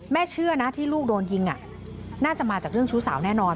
เชื่อนะที่ลูกโดนยิงน่าจะมาจากเรื่องชู้สาวแน่นอน